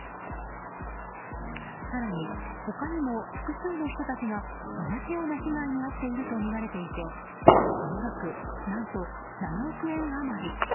更に、他にも複数の人たちが同じような被害に遭っているとみられていてその額、何と７億円余り。